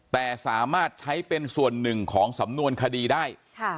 แต่สามารถใช้เป็นส่วนหนึ่งของสำนวนคดีได้